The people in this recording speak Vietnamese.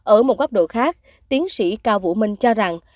ở một góc độ khác tiến sĩ cao vũ minh cho rằng